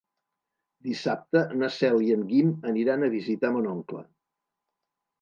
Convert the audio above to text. Dissabte na Cel i en Guim aniran a visitar mon oncle.